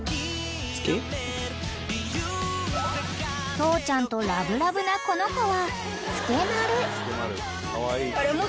［父ちゃんとラブラブなこの子は］